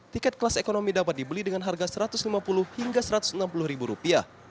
tiket kelas ekonomi dapat dibeli dengan harga rp satu ratus lima puluh hingga rp satu ratus enam puluh